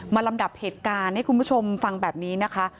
ลำดับเหตุการณ์ให้คุณผู้ชมฟังแบบนี้นะคะ